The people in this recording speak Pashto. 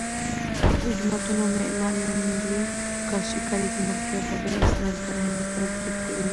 د جوماتونو معمارۍ او نیلي کاشي کاري زموږ د بډای اسلامي فرهنګ استازیتوب کوي.